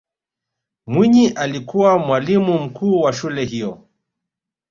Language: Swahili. mwinyi alikuwa mwalimu mkuu wa shule hiyo